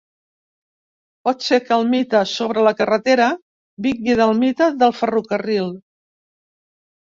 Pot ser que el mite sobre la carretera vingui del mite del ferrocarril.